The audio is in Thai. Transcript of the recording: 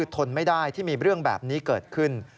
ทนไม่ได้ที่มีเรื่องแบบนี้เกิดขึ้น